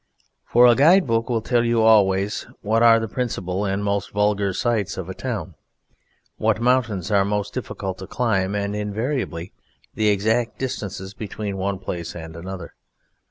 For a Guide Book will tell you always what are the principal and most vulgar sights of a town; what mountains are most difficult to climb, and, invariably, the exact distances between one place and another.